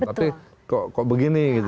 tapi kok begini gitu